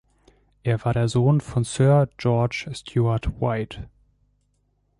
Er war der Sohn von Sir George Stuart White.